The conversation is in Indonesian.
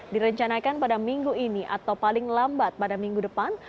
direncanakan pada minggu ini atau paling lambat pada minggu depan